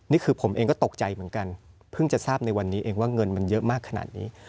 นี่คือผมเองก็ตกใจเหมือนกันเพิ่งจะทราบในวันนี้เองว่าเงินมันเยอะมากขนาดนี้